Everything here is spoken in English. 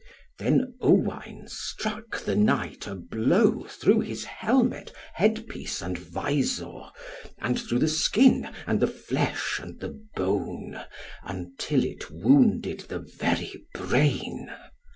Then Owain struck the Knight a blow through his helmet, head piece and visor, and through the skin, and the flesh, and the bone, until it wounded the very brain.